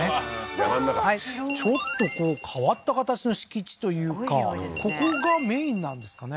山ん中ちょっとこう変わった形の敷地というかここがメインなんですかね？